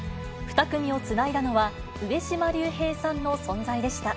２組をつないだのは、上島竜兵さんの存在でした。